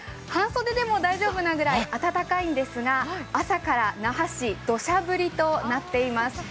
半袖でも大丈夫なくらい暖かいんですが朝から那覇市、どしゃ降りとなっています。